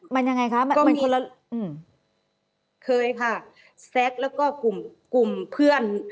มันยังไงคะเคยค่ะแซ็กแล้วก็กลุ่มเพื่อน